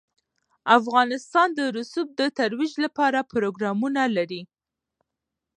افغانستان د رسوب د ترویج لپاره پروګرامونه لري.